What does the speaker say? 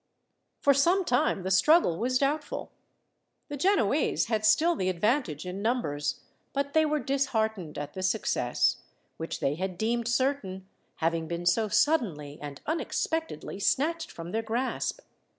For some time the struggle was doubtful. The Genoese had still the advantage in numbers, but they were disheartened at the success, which they had deemed certain, having been so suddenly and unexpectedly snatched from their grasp.